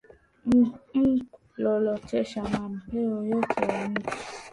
Mu lokoteshe ma mbeko yote ya chini